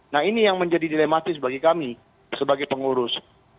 nah ini yang menjadi dilematis bagi kami sebagai pengurus